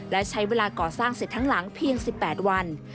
และใช้เวลาก่อสร้างเสร็จทั้งหลังเพียง๑๘วัน